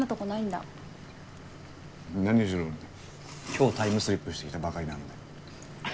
今日タイムスリップしてきたばかりなんで。